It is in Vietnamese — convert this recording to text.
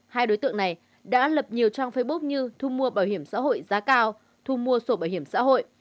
hai đối tượng này đã lập nhiều trang facebook như thu mua bảo hiểm xã hội giá cao thu mua sổ bảo hiểm xã hội